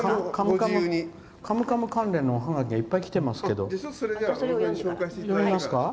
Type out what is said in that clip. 「カムカム」関連のおはがきがいっぱいきてます。